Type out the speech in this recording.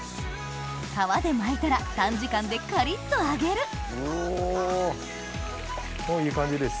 皮で巻いたら短時間でカリっと揚げるもういい感じです。